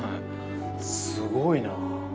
すごいな。